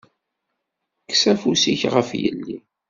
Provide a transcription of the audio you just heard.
Kkes afus-ik ɣef yelli!